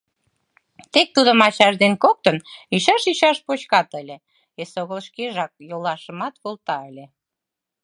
Тек тудым ачаж ден коктын ӱчаш-ӱчаш почкат ыле, эсогыл шкежак йолашымат волта ыле.